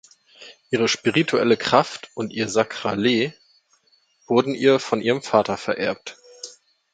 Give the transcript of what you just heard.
Ihr (spirituelle Kraft) und ihr (Sakrales) wurde ihr von ihrem Vater vererbt.